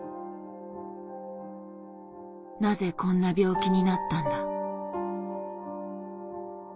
「なぜこんな病気になったんだ」。